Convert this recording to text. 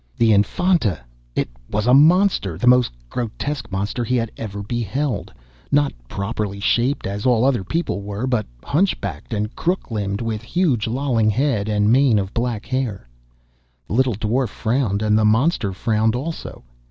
The Infanta! It was a monster, the most grotesque monster he had ever beheld. Not properly shaped, as all other people were, but hunchbacked, and crooked limbed, with huge lolling head and mane of black hair. The little Dwarf frowned, and the monster frowned also.